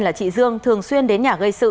là chị dương thường xuyên đến nhà gây sự